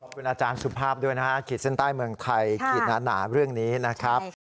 อาจารย์สุภาพด้วยนะฮะขีดเส้นใต้เมืองไทยขีดหนาเรื่องนี้นะครับ